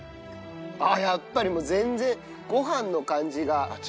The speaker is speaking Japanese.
やっぱりもう全然ご飯の感じがしっとり。